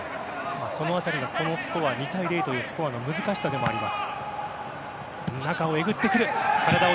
その辺りが２対０というスコアの難しさでもあります。